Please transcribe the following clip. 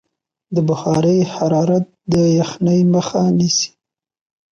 د بخارۍ حرارت د یخنۍ مخه نیسي.